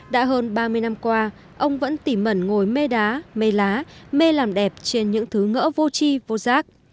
đã hơn ba mươi năm qua ông vẫn tìm mẩn ngồi mê đá mây lá mê làm đẹp trên những thứ ngỡ vô chi vô giác